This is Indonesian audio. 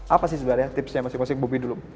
apa sih sebenarnya tipsnya mas yusuf bupi dulu